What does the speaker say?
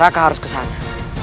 raka harus ke sana